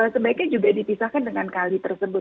sebaiknya juga dipisahkan dengan kali tersebut